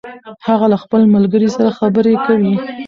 هغه له خپل ملګري سره خبرې کوي